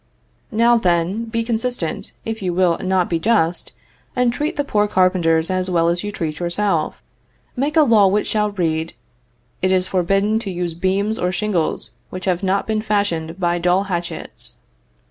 Now, then, be consistent, if you will not be just, and treat the poor carpenters as well as you treat yourself. Make a law which shall read: "It is forbidden to use beams or shingles which have not been fashioned by dull hatchets."